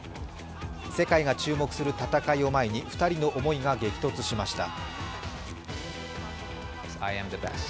世界が注目する戦いを前に２人の思いが激突しました。